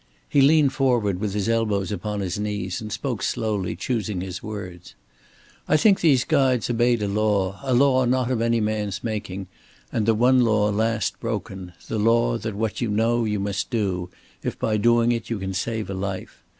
He leaned forward with his elbows upon his knees, and spoke slowly, choosing his words. "I think these guides obeyed a law, a law not of any man's making, and the one law last broken the law that what you know, that you must do, if by doing it you can save a life.